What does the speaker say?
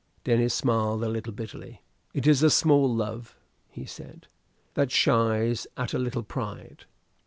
Denis smiled a little bitterly. "It is a small love," he said, "that shies at a little pride."